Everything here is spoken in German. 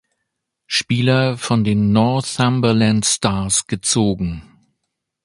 Spieler von den Northumberland Stars gezogen.